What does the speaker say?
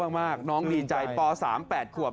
น่ารักมากน้องดีใจป๓ป๘ขวบ